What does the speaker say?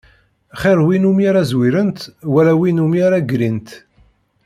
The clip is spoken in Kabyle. Xir win umi ara zwirent, wala win umi ara ggrint.